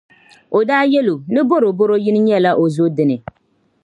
O daa yɛli o, ni bɔrobɔro yini nyɛla o zo dini.